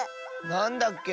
なんだっけ？